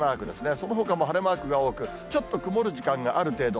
そのほかも晴れマークが多く、ちょっと曇る時間帯がある程度。